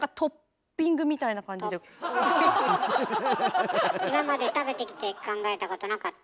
なんか今まで食べてきて考えたことなかった？